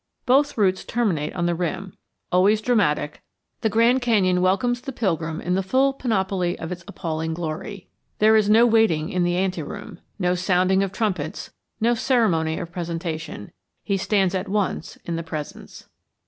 Both routes terminate on the rim. Always dramatic, the Grand Canyon welcomes the pilgrim in the full panoply of its appalling glory. There is no waiting in the anteroom, no sounding of trumpets, no ceremony of presentation. He stands at once in the presence.